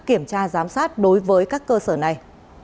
kiểm tra giám sát đối với các cơ sở này